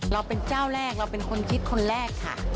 เราเป็นเจ้าแรกเราเป็นคนคิดคนแรกค่ะ